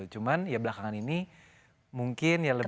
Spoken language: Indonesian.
cuman ya belakangan ini mungkin ya lebih